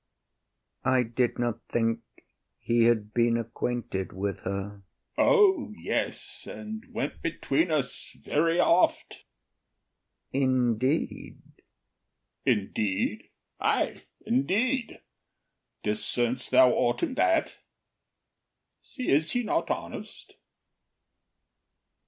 I did not think he had been acquainted with her. OTHELLO. O yes, and went between us very oft. IAGO. Indeed? OTHELLO. Indeed? Ay, indeed. Discern’st thou aught in that? Is he not honest?